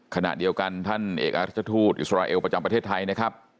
ขณะเดียวกันท่านเอกราชทูตอิสราเอลประจำประเทศไทยนะครับ